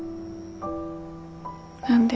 何で？